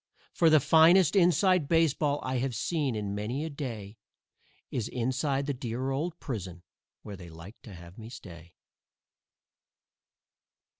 For the finest "inside" baseball I have seen in many a day Is inside the dear old prison, where they like to have me stay.